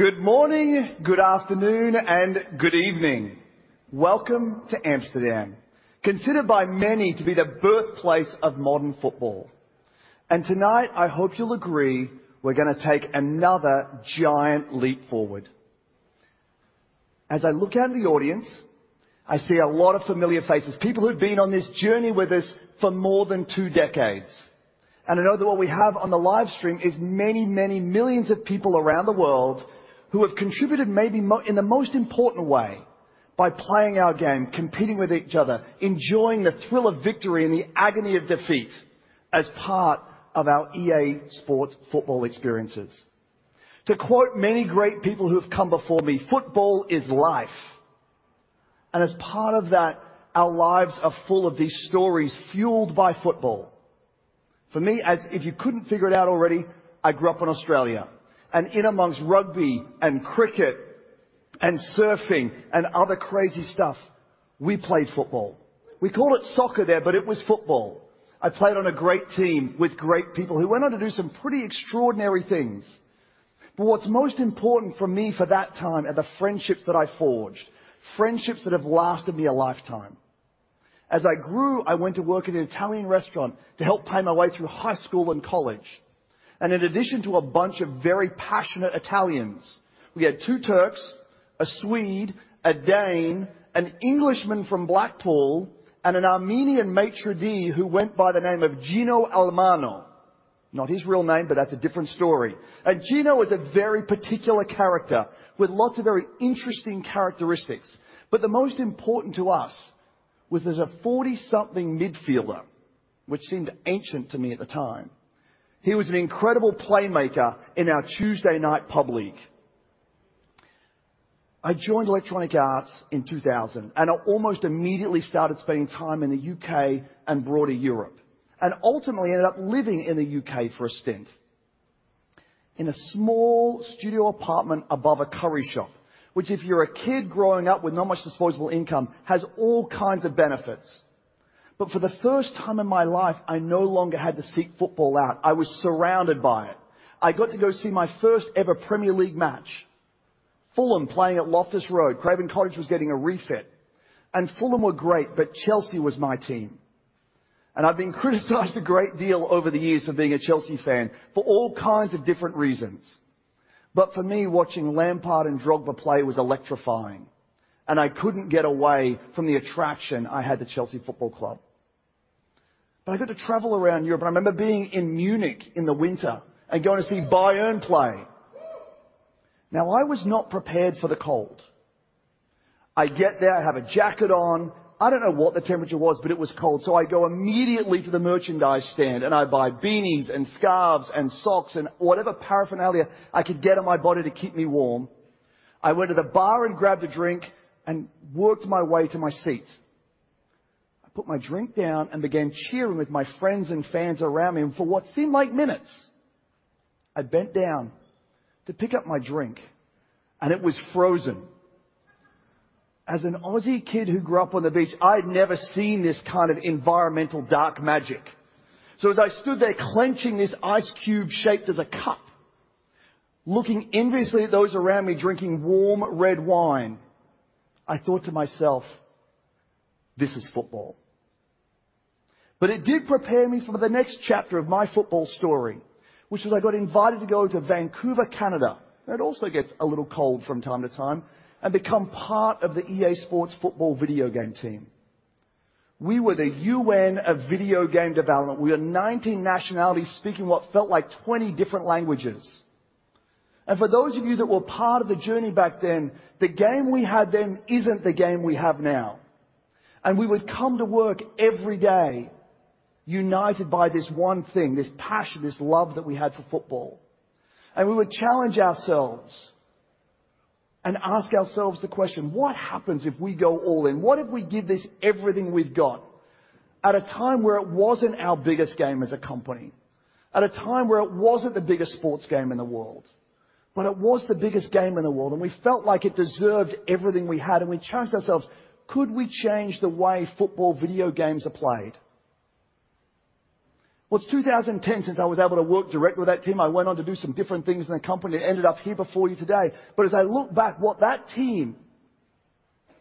Good morning, good afternoon, and good evening. Welcome to Amsterdam, considered by many to be the birthplace of modern football. Tonight, I hope you'll agree, we're gonna take another giant leap forward. As I look out in the audience, I see a lot of familiar faces, people who've been on this journey with us for more than two decades. I know that what we have on the live stream is many, many millions of people around the world who have contributed maybe in the most important way, by playing our game, competing with each other, enjoying the thrill of victory and the agony of defeat as part of our EA SPORTS football experiences. To quote many great people who have come before me, "Football is life," and as part of that, our lives are full of these stories fueled by football. For me, if you couldn't figure it out already, I grew up in Australia, and in amongst rugby, and cricket, and surfing, and other crazy stuff, we played football. We called it soccer there, but it was football. I played on a great team with great people who went on to do some pretty extraordinary things. What's most important for me for that time are the friendships that I forged, friendships that have lasted me a lifetime. As I grew, I went to work at an Italian restaurant to help pay my way through high school and college. In addition to a bunch of very passionate Italians, we had two Turks, a Swede, a Dane, an Englishman from Blackpool, and an Armenian maître d' who went by the name of Gino Almano. Not his real name, but that's a different story. Gino was a very particular character with lots of very interesting characteristics. The most important to us was as a 40-something midfielder, which seemed ancient to me at the time. He was an incredible playmaker in our Tuesday night pub league. I joined Electronic Arts in 2000, I almost immediately started spending time in the U.K. and broader Europe, ultimately ended up living in the U.K. for a stint. In a small studio apartment above a curry shop, which, if you're a kid growing up with not much disposable income, has all kinds of benefits. For the first time in my life, I no longer had to seek football out. I was surrounded by it. I got to go see my first-ever Premier League match, Fulham playing at Loftus Road. Craven Cottage was getting a refit, and Fulham were great, but Chelsea was my team. I've been criticized a great deal over the years for being a Chelsea fan for all kinds of different reasons. For me, watching Lampard and Drogba play was electrifying, and I couldn't get away from the attraction I had to Chelsea Football Club. I got to travel around Europe. I remember being in Munich in the winter and going to see Bayern play. I was not prepared for the cold. I get there, I have a jacket on. I don't know what the temperature was, but it was cold. I go immediately to the merchandise stand, and I buy beanies and scarves and socks and whatever paraphernalia I could get on my body to keep me warm. I went to the bar and grabbed a drink and worked my way to my seat. I put my drink down and began cheering with my friends and fans around me, and for what seemed like minutes, I bent down to pick up my drink, and it was frozen. As an Aussie kid who grew up on the beach, I'd never seen this kind of environmental dark magic. As I stood there clenching this ice cube shaped as a cup, looking enviously at those around me drinking warm red wine, I thought to myself, "This is football." It did prepare me for the next chapter of my football story, which is I got invited to go to Vancouver, Canada, that also gets a little cold from time to time, and become part of the EA SPORTS football video game team. We were the UN of video game development. We were 19 nationalities speaking what felt like 20 different languages. For those of you that were part of the journey back then, the game we had then isn't the game we have now. We would come to work every day, united by this one thing, this passion, this love that we had for football. We would challenge ourselves and ask ourselves the question: What happens if we go all in? What if we give this everything we've got? At a time where it wasn't our biggest game as a company, at a time where it wasn't the biggest sports game in the world, but it was the biggest game in the world, and we felt like it deserved everything we had. We challenged ourselves: Could we change the way football video games are played? Well, it's 2010. Since I was able to work directly with that team, I went on to do some different things in the company and ended up here before you today. As I look back, what that team,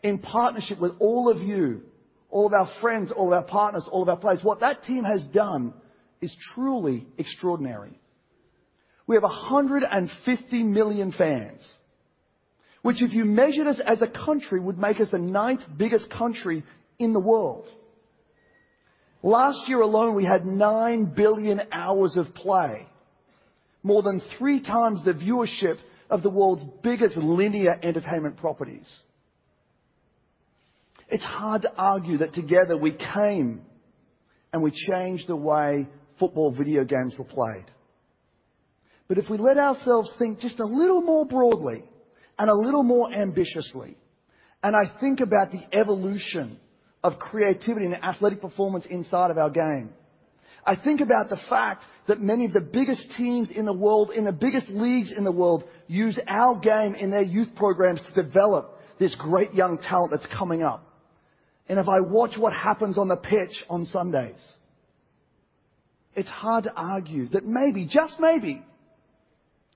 in partnership with all of you, all of our friends, all of our partners, all of our players, what that team has done is truly extraordinary. We have 150 million fans, which, if you measured us as a country, would make us the 9th-biggest country in the world. Last year alone, we had 9 billion hours of play, more than three times the viewership of the world's biggest linear entertainment properties. It's hard to argue that together we came and we changed the way football video games were played. If we let ourselves think just a little more broadly and a little more ambitiously, and I think about the evolution of creativity and athletic performance inside of our game, I think about the fact that many of the biggest teams in the world, in the biggest leagues in the world, use our game in their youth programs to develop this great young talent that's coming up. If I watch what happens on the pitch on Sundays. It's hard to argue that maybe, just maybe,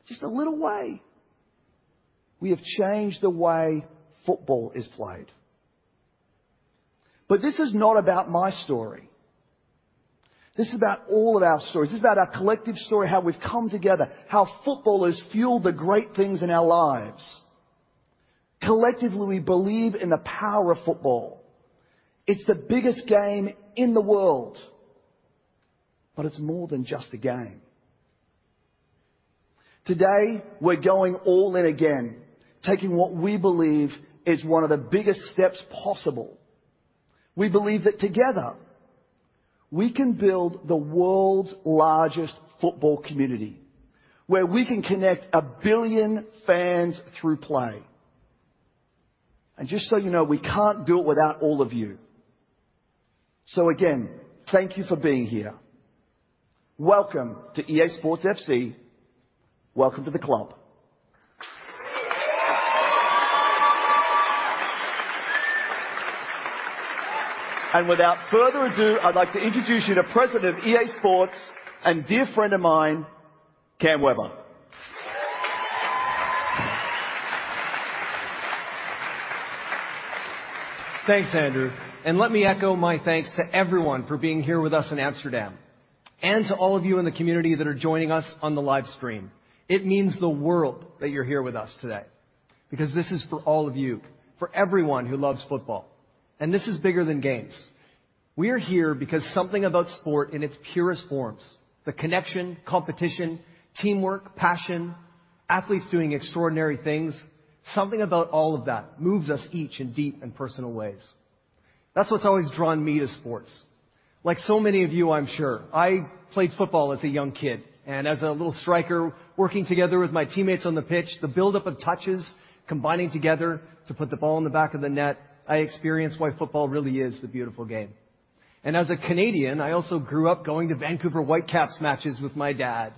just a little way, we have changed the way football is played. This is not about my story. This is about all of our stories. This is about our collective story, how we've come together, how football has fueled the great things in our lives. Collectively, we believe in the power of football. It's the biggest game in the world, but it's more than just a game. Today, we're going all in again, taking what we believe is one of the biggest steps possible. We believe that together, we can build the world's largest football community, where we can connect a billion fans through play. Just so you know, we can't do it without all of you. Again, thank you for being here. Welcome to EA SPORTS FC. Welcome to the club. Without further ado, I'd like to introduce you to President of EA SPORTS and dear friend of mine, Cam Weber. Thanks, Andrew. Let me echo my thanks to everyone for being here with us in Amsterdam and to all of you in the community that are joining us on the live stream. It means the world that you're here with us today, because this is for all of you, for everyone who loves football, and this is bigger than games. We're here because something about sport in its purest forms, the connection, competition, teamwork, passion, athletes doing extraordinary things, something about all of that moves us each in deep and personal ways. That's what's always drawn me to sports. Like so many of you, I'm sure, I played football as a young kid and as a little striker, working together with my teammates on the pitch, the buildup of touches, combining together to put the ball in the back of the net, I experienced why football really is the beautiful game. As a Canadian, I also grew up going to Vancouver Whitecaps matches with my dad,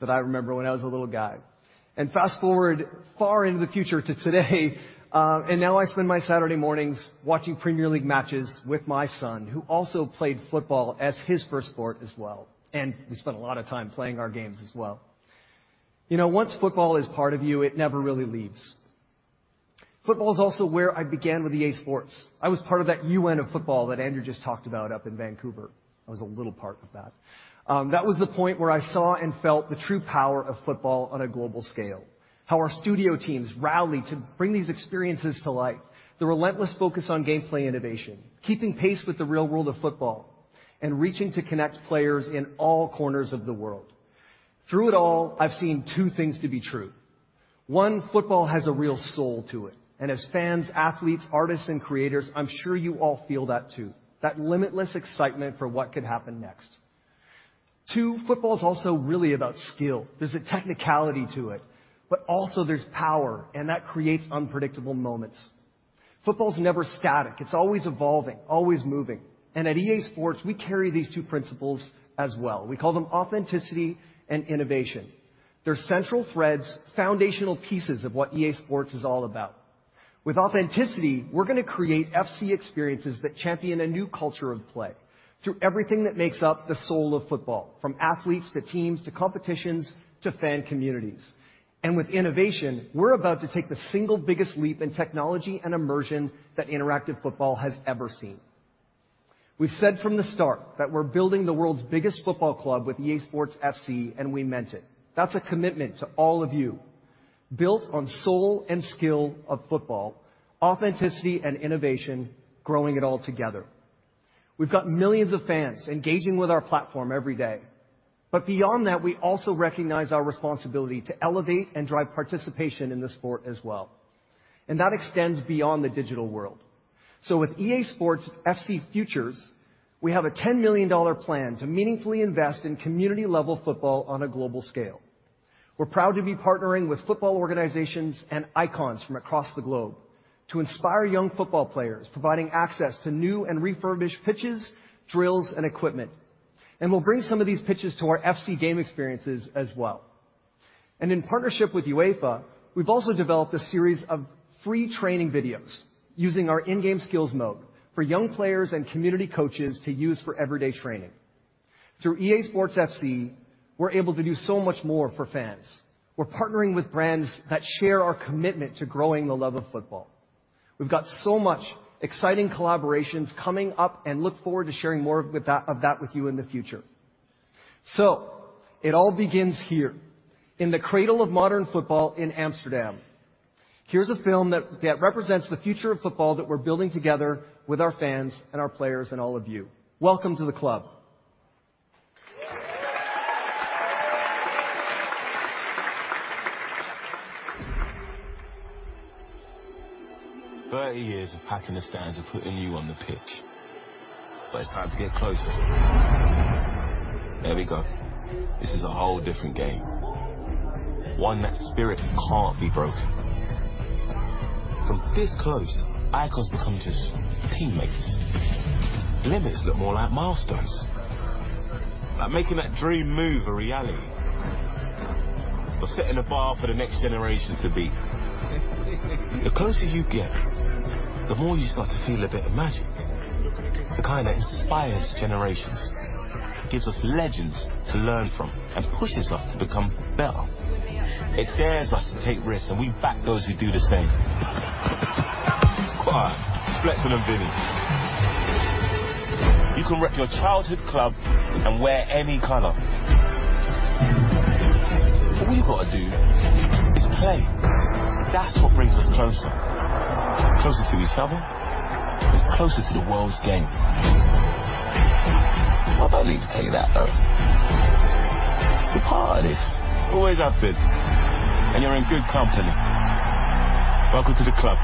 that I remember when I was a little guy. Fast-forward far into the future to today, and now I spend my Saturday mornings watching Premier League matches with my son, who also played football as his first sport as well, and we spent a lot of time playing our games as well. You know, once football is part of you, it never really leaves. Football is also where I began with EA SPORTS. I was part of that UN of football that Andrew just talked about up in Vancouver. I was a little part of that. That was the point where I saw and felt the true power of football on a global scale, how our studio teams rallied to bring these experiences to life, the relentless focus on gameplay innovation, keeping pace with the real world of football, and reaching to connect players in all corners of the world. Through it all, I've seen two things to be true. One, football has a real soul to it, and as fans, athletes, artists, and creators, I'm sure you all feel that, too. That limitless excitement for what could happen next. Two, football is also really about skill. There's a technicality to it, but also there's power, and that creates unpredictable moments. Football's never static. It's always evolving, always moving, and at EA SPORTS, we carry these two principles as well. We call them authenticity and innovation. They're central threads, foundational pieces of what EA SPORTS is all about. With authenticity, we're gonna create FC experiences that champion a new culture of play through everything that makes up the soul of football, from athletes, to teams, to competitions, to fan communities. With innovation, we're about to take the single biggest leap in technology and immersion that interactive football has ever seen. We've said from the start that we're building the world's biggest football club with EA SPORTS FC, and we meant it. That's a commitment to all of you, built on soul and skill of football, authenticity and innovation, growing it all together. We've got millions of fans engaging with our platform every day. Beyond that, we also recognize our responsibility to elevate and drive participation in the sport as well, and that extends beyond the digital world. With EA SPORTS FC FUTURES, we have a $10 million plan to meaningfully invest in community-level football on a global scale. We're proud to be partnering with football organizations and icons from across the globe to inspire young football players, providing access to new and refurbished pitches, drills, and equipment. We'll bring some of these pitches to our FC game experiences as well. In partnership with UEFA, we've also developed a series of free training videos using our in-game skills mode for young players and community coaches to use for everyday training. Through EA SPORTS FC, we're able to do so much more for fans. We're partnering with brands that share our commitment to growing the love of football. We've got so much exciting collaborations coming up and look forward to sharing more of that with you in the future. It all begins here, in the cradle of modern football in Amsterdam. Here's a film that represents the future of football that we're building together with our fans and our players and all of you. Welcome to the club. 30 years of packing the stands and putting you on the pitch, but it's time to get closer. There we go. This is a whole different game, one that's spirit can't be broken. From this close, icons become just teammates. Limits look more like milestones. Like making that dream move a reality. Or setting a bar for the next generation to beat. The closer you get, the more you start to feel a bit of magic, the kind that inspires generations, gives us legends to learn from, and pushes us to become better. It dares us to take risks, and we back those who do the same. Quiet! Flex on them, Vini. You can rep your childhood club and wear any color. All you've got to do is play. That's what brings us closer to each other and closer to the world's game. Well, I don't need to tell you that, though. You're part of this. Always have been, and you're in good company. Welcome to the club,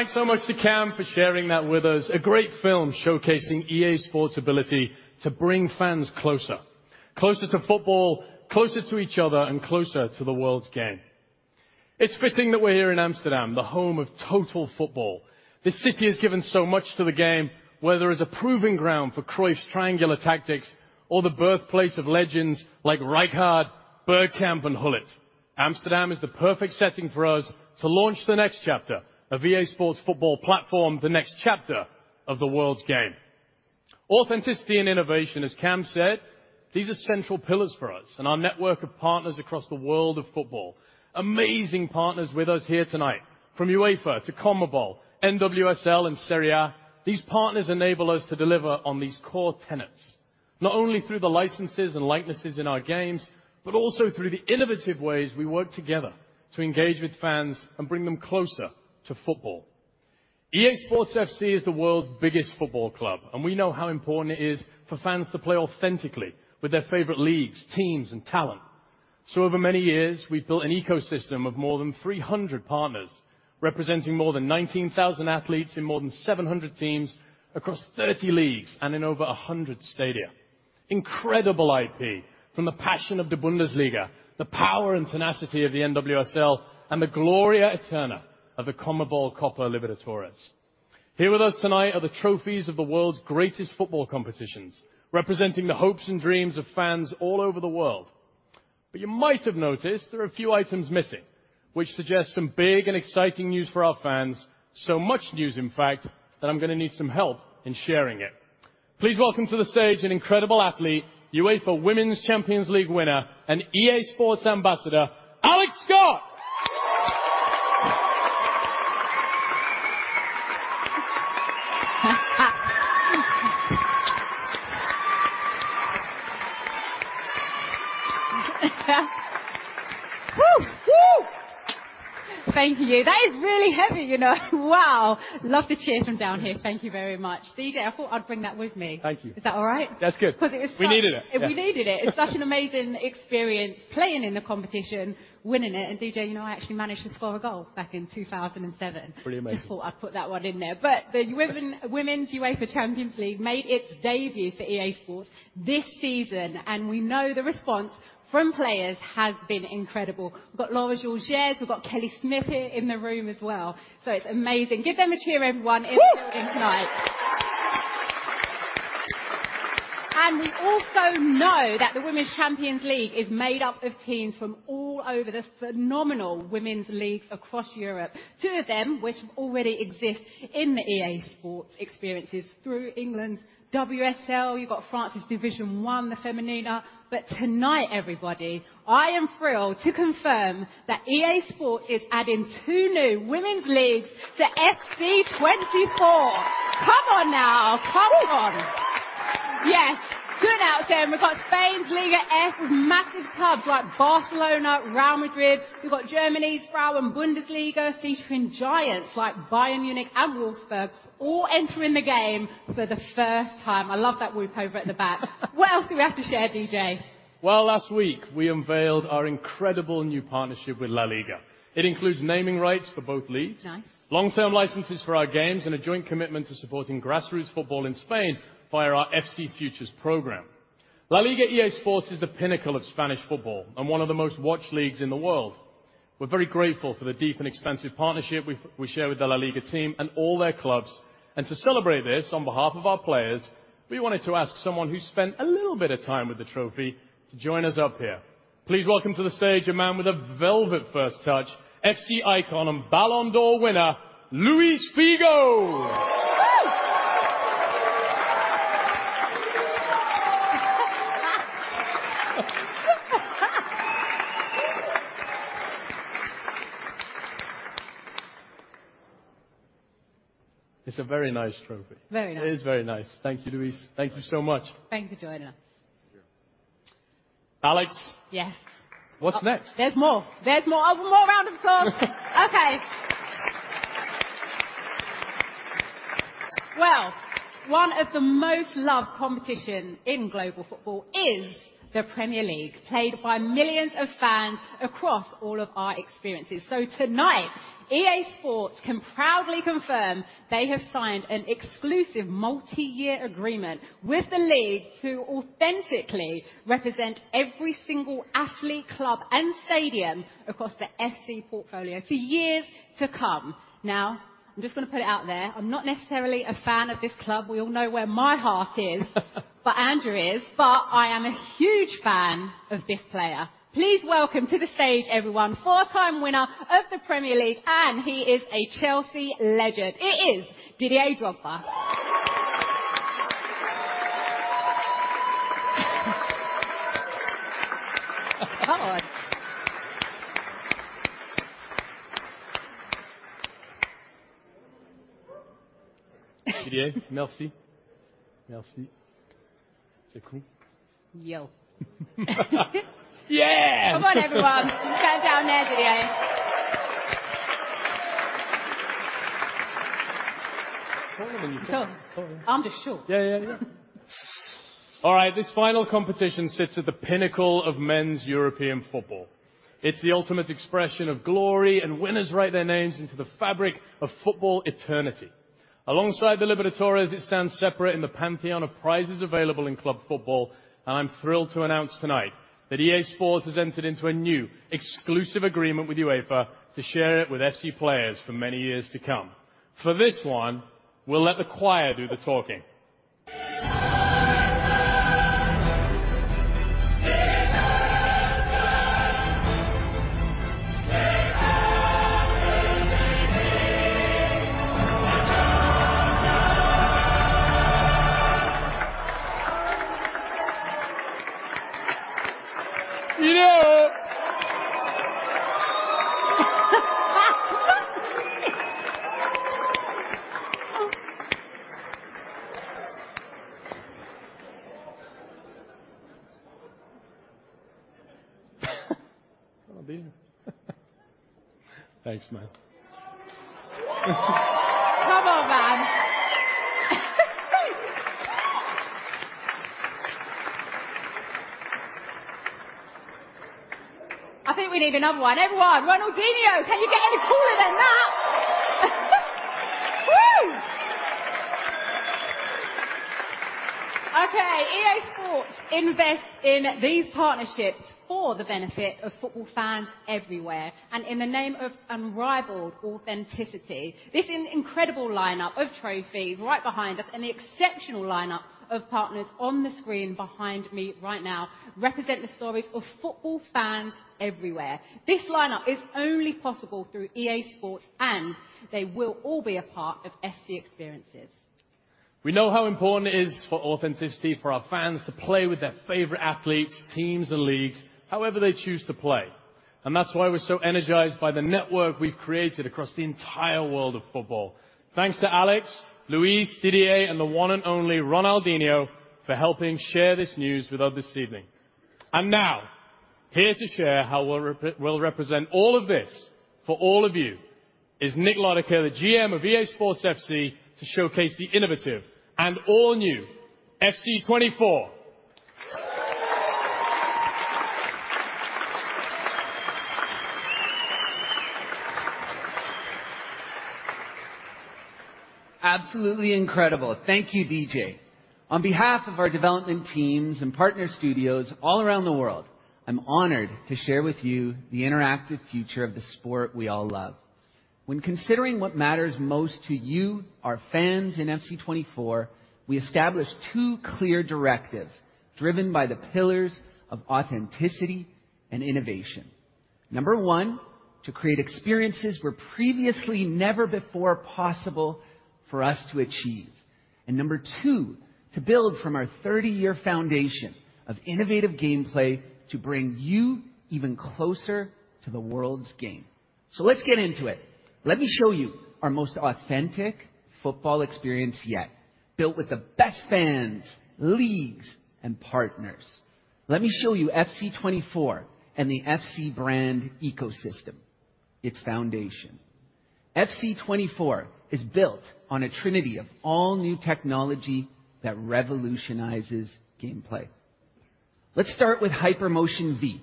Woo! Yeah! Thanks so much to Cam for sharing that with us. A great film showcasing EA SPORTS' ability to bring fans closer: closer to football, closer to each other, and closer to the world's game. It's fitting that we're here in Amsterdam, the home of total football. This city has given so much to the game, whether it's a proving ground for Cruyff's triangular tactics or the birthplace of legends like Rijkaard, Bergkamp, and Gullit. Amsterdam is the perfect setting for us to launch the next chapter of EA SPORTS Football Platform, the next chapter of the world's game. Authenticity and innovation, as Cam said, these are central pillars for us and our network of partners across the world of football. Amazing partners with us here tonight, from UEFA to CONMEBOL, NWSL, and Serie A. These partners enable us to deliver on these core tenets, not only through the licenses and likenesses in our games, but also through the innovative ways we work together to engage with fans and bring them closer to football. EA SPORTS FC is the world's biggest football club. We know how important it is for fans to play authentically with their favorite leagues, teams, and talent. Over many years, we've built an ecosystem of more than 300 partners, representing more than 19,000 athletes in more than 700 teams across 30 leagues and in over 100 stadia. Incredible IP, from the passion of the Bundesliga, the power and tenacity of the NWSL, and the Gloria Eterna of the CONMEBOL Copa Libertadores. Here with us tonight are the trophies of the world's greatest football competitions, representing the hopes and dreams of fans all over the world. You might have noticed there are a few items missing, which suggests some big and exciting news for our fans. Much news, in fact, that I'm gonna need some help in sharing it. Please welcome to the stage an incredible athlete, UEFA Women's Champions League winner and EA SPORTS ambassador, Alex Scott! Woo, woo! Thank you. That is really heavy, you know. Wow, love the cheer from down here. Thank you very much. DJ, I thought I'd bring that with me. Thank you. Is that all right? That's good. 'Cause it was... We needed it. Yeah. We needed it. It's such an amazing experience playing in the competition, winning it. DJ, you know, I actually managed to score a goal back in 2007. Pretty amazing. Just thought I'd put that one in there. The Women's UEFA Champions League made its debut for EA SPORTS this season. We know the response from players has been incredible. We've got Laura Georges, we've got Kelly Smith here in the room as well, so it's amazing. Give them a cheer, everyone, in the night. We also know that the Women's Champions League is made up of teams from all over the phenomenal women's leagues across Europe. Two of them, which already exist in the EA SPORTS experiences through England's WSL. You've got France's Division 1 Féminine. Tonight, everybody, I am thrilled to confirm that EA SPORTS is adding two new women's leagues to FC 24. Come on, now. Come on! Yes, good out, team. We've got Spain's Liga F with massive clubs like Barcelona, Real Madrid. We've got Germany's Frauen-Bundesliga, featuring giants like Bayern Munich and Wolfsburg, all entering the game for the first time. I love that whoop over at the back. What else do we have to share, DJ? Well, last week, we unveiled our incredible new partnership with LaLiga. It includes naming rights for both leagues- Nice Long-term licenses for our games, and a joint commitment to supporting grassroots football in Spain via our FC FUTURES program. LaLiga EA SPORTS is the pinnacle of Spanish football and one of the most watched leagues in the world. We're very grateful for the deep and extensive partnership we share with the LaLiga team and all their clubs. To celebrate this, on behalf of our players, we wanted to ask someone who spent a little bit of time with the trophy to join us up here. Please welcome to the stage a man with a velvet first touch, FC icon and Ballon d'Or winner, Luís Figo. It's a very nice trophy. Very nice. It is very nice. Thank you, Luis. Thank you. Thank you so much. Thank you for joining us. Alex? Yes. What's next? There's more. There's more. Oh, one more round of applause. Okay. Well, one of the most loved competition in global football is the Premier League, played by millions of fans across all of our experiences. Tonight, EA SPORTS can proudly confirm they have signed an exclusive multi-year agreement with the League to authentically represent every single athlete, club, and stadium across the FC portfolio for years to come. I'm just gonna put it out there, I'm not necessarily a fan of this club. We all know where my heart is, but Andrew is. I am a huge fan of this player. Please welcome to the stage, everyone, four-time winner of the Premier League, and he is a Chelsea legend. It is Didier Drogba. Didier, merci. Merci. It's cool. Yo. Yeah! Come on, everyone. Fan down there, Didier. Taller than you. I'm just short. Yeah, yeah. All right, this final competition sits at the pinnacle of men's European football. It's the ultimate expression of glory, and winners write their names into the fabric of football eternity. Alongside the Libertadores, it stands separate in the pantheon of prizes available in club football, and I'm thrilled to announce tonight that EA SPORTS has entered into a new exclusive agreement with UEFA to share it with FC players for many years to come. For this one, we'll let the choir do the talking. Yeah! Oh, dear. Thanks, man. Come on, man. I think we need another one. Everyone, Ronaldinho! Can you get any cooler than that? Whoo! Okay, EA SPORTS invests in these partnerships for the benefit of football fans everywhere, and in the name of unrivaled authenticity. This is an incredible lineup of trophies right behind us, and the exceptional lineup of partners on the screen behind me right now represent the stories of football fans everywhere. This lineup is only possible through EA SPORTS, and they will all be a part of FC experiences. We know how important it is for authenticity for our fans to play with their favorite athletes, teams, and leagues however they choose to play, and that's why we're so energized by the network we've created across the entire world of football. Thanks to Alex, Luís, Didier, and the one and only Ronaldinho for helping share this news with us this evening. Now, here to share how we'll represent all of this for all of you is Nick Wlodyka, the GM of EA SPORTS FC, to showcase the innovative and all-new FC 24. Absolutely incredible. Thank you, DJ. On behalf of our development teams and partner studios all around the world, I'm honored to share with you the interactive future of the sport we all love. When considering what matters most to you, our fans, in FC 24, we established two clear directives driven by the pillars of authenticity and innovation. Number one, to create experiences where previously never before possible for us to achieve. Number two, to build from our 30-year foundation of innovative gameplay to bring you even closer to the world's game. Let's get into it. Let me show you our most authentic football experience yet, built with the best fans, leagues, and partners. Let me show you FC 24 and the FC brand ecosystem, its foundation. FC 24 is built on a trinity of all-new technology that revolutionizes gameplay. Let's start with HyperMotionV.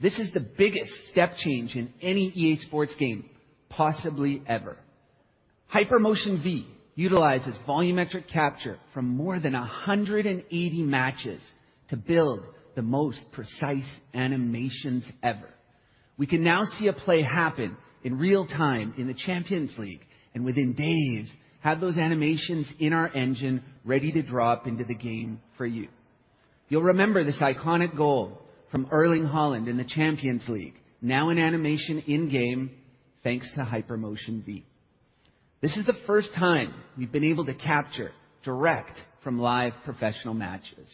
This is the biggest step change in any EA SPORTS game, possibly ever. HyperMotionV utilizes volumetric capture from more than 180 matches to build the most precise animations ever. We can now see a play happen in real-time in the Champions League, and within days, have those animations in our engine ready to drop into the game for you. You'll remember this iconic goal from Erling Haaland in the Champions League, now in animation in-game, thanks to HyperMotionV. This is the first time we've been able to capture direct from live professional matches,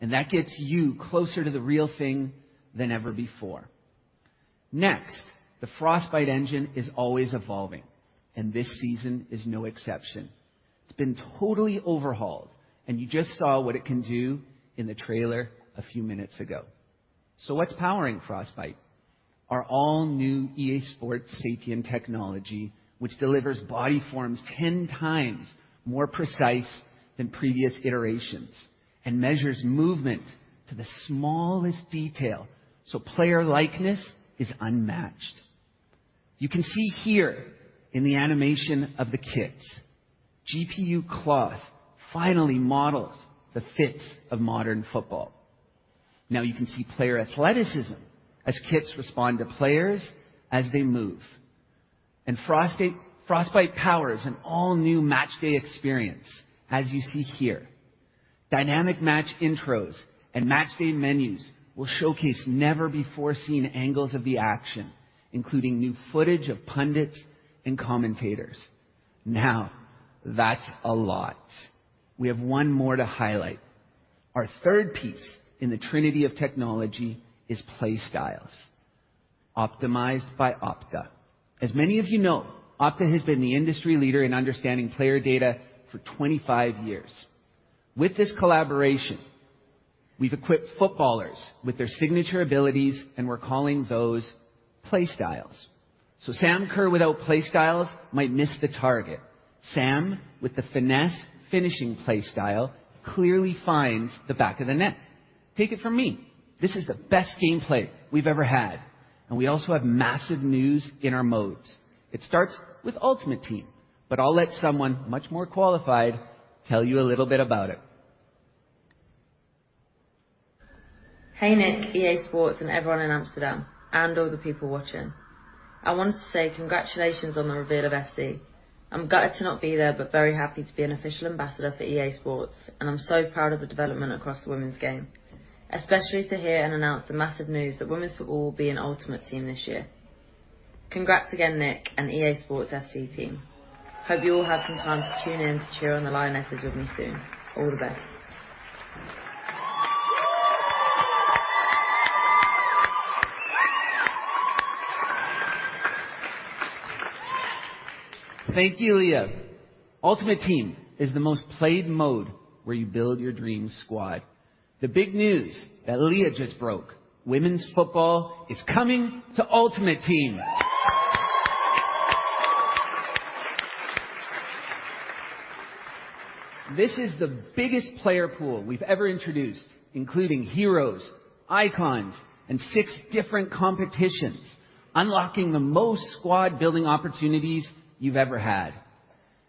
and that gets you closer to the real thing than ever before. Next, the Frostbite engine is always evolving, and this season is no exception. It's been totally overhauled, and you just saw what it can do in the trailer a few minutes ago. So what's powering Frostbite?... Our all-new EA SPORTS SAPIEN technology, which delivers body forms 10 times more precise than previous iterations and measures movement to the smallest detail, so player likeness is unmatched. You can see here in the animation of the kits, GPU Cloth finally models the fits of modern football. Now, you can see player athleticism as kits respond to players as they move. Frostbite powers an all-new match-day experience, as you see here. Dynamic match intros and match day menus will showcase never-before-seen angles of the action, including new footage of pundits and commentators. Now, that's a lot! We have 1 more to highlight. Our third piece in the trinity of technology is PlayStyles, optimized by Opta. As many of you know, Opta has been the industry leader in understanding player data for 25 years. With this collaboration, we've equipped footballers with their signature abilities, and we're calling those PlayStyles. Sam Kerr, without PlayStyles, might miss the target. Sam, with the finesse finishing PlayStyle, clearly finds the back of the net. Take it from me, this is the best gameplay we've ever had, and we also have massive news in our modes. It starts with Ultimate Team, but I'll let someone much more qualified tell you a little bit about it. Hey, Nick, EA SPORTS, and everyone in Amsterdam and all the people watching. I want to say congratulations on the reveal of FC. I'm gutted to not be there, but very happy to be an official ambassador for EA SPORTS, and I'm so proud of the development across the women's game, especially to hear and announce the massive news that women's football will be in Ultimate Team this year. Congrats again, Nick and EA SPORTS FC team. Hope you all have some time to tune in to cheer on the Lionesses with me soon. All the best. Thank you, Leah. Ultimate Team is the most-played mode where you build your dream squad. The big news that Leah just broke: women's football is coming to Ultimate Team. This is the biggest player pool we've ever introduced, including heroes, icons, and six different competitions, unlocking the most squad-building opportunities you've ever had.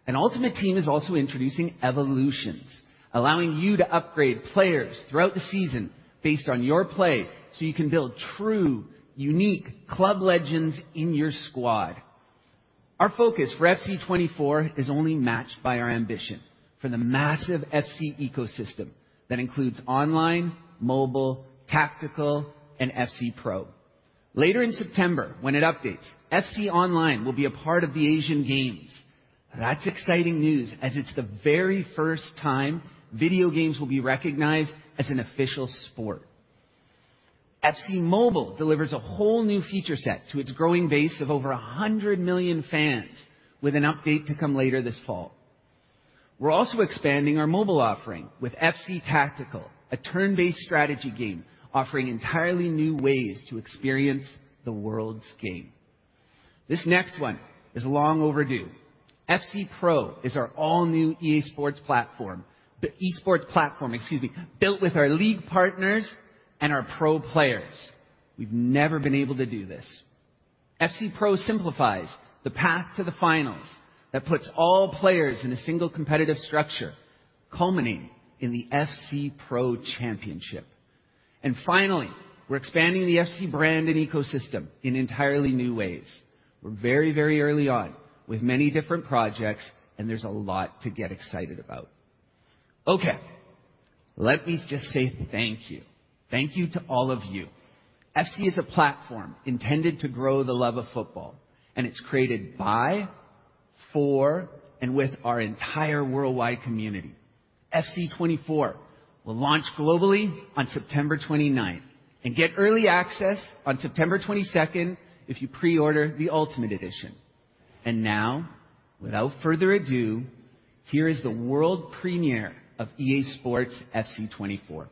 Ultimate Team is also introducing Evolutions, allowing you to upgrade players throughout the season based on your play, so you can build true, unique club legends in your squad. Our focus for FC 24 is only matched by our ambition for the massive FC ecosystem that includes Online, Mobile, Tactical, and FC Pro. Later in September, when it updates, FC Online will be a part of the Asian Games. That's exciting news, as it's the very first time video games will be recognized as an official sport. FC Mobile delivers a whole new feature set to its growing base of over 100 million fans, with an update to come later this fall. We're also expanding our mobile offering with FC Tactical, a turn-based strategy game offering entirely new ways to experience the world's game. This next one is long overdue. FC Pro is our all-new EA SPORTS platform, the esports platform, excuse me, built with our league partners and our pro players. We've never been able to do this. FC Pro simplifies the path to the finals that puts all players in a single competitive structure, culminating in the FC Pro Championship. Finally, we're expanding the FC brand and ecosystem in entirely new ways. We're very, very early on with many different projects, and there's a lot to get excited about. Okay, let me just say thank you. Thank you to all of you. FC is a platform intended to grow the love of football. It's created by, for, and with our entire worldwide community. FC 24 will launch globally on September 29th. Get early access on September 22nd if you pre-order the Ultimate Edition. Now, without further ado, here is the world premiere of EA SPORTS FC 24.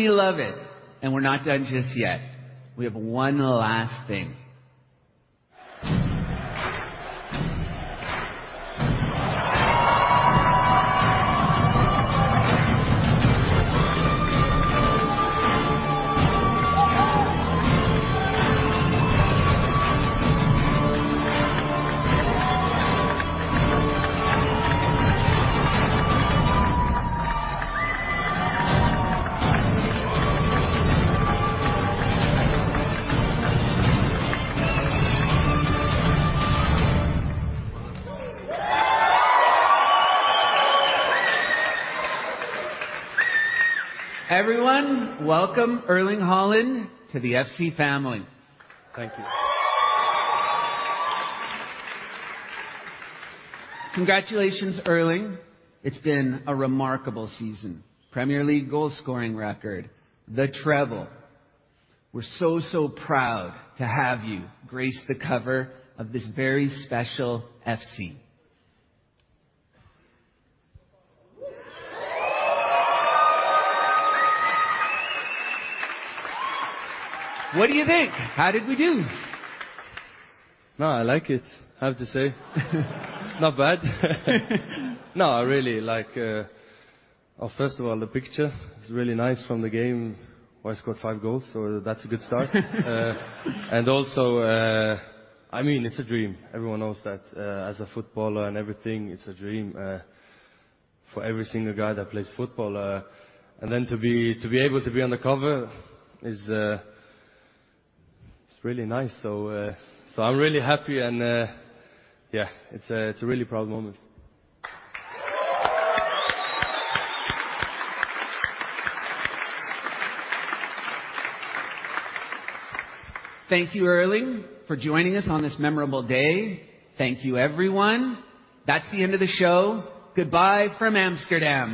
Absolutely love it! We're not done just yet. We have one last thing. Everyone, welcome Erling Haaland to the FC family. Thank you. Congratulations, Erling. It's been a remarkable season. Premier League goal scoring record, the treble. We're so proud to have you grace the cover of this very special FC. What do you think? How did we do? No, I like it, I have to say. It's not bad. No, I really like. Oh, first of all, the picture is really nice from the game, where I scored 5 goals, so that's a good start. Also, I mean, it's a dream. Everyone knows that as a footballer and everything, it's a dream for every single guy that plays football, then to be able to be on the cover is really nice. I'm really happy, yeah, it's a, it's a really proud moment. Thank you, Erling, for joining us on this memorable day. Thank you, everyone. That's the end of the show. Goodbye from Amsterdam!